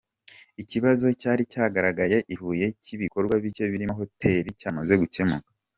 Ikibazo cyari cyagaragaye i Huye cy’ibikorwa bike birimo hotel, cyamaze gukemuka.